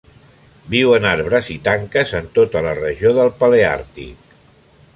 Viu en arbres i tanques en tota la regió del Paleàrtic.